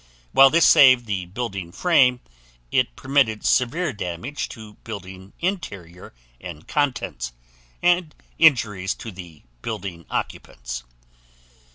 While this saved the building frame, it permitted severe damage to building interior and contents, and injuries to the building occupants.